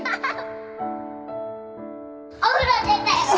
お風呂出たよ